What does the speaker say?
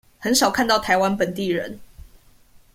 很少看到台灣本地人